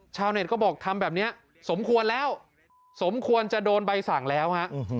ชาวเน็ตก็บอกทำแบบนี้สมควรแล้วสมควรจะโดนใบสั่งแล้วฮะ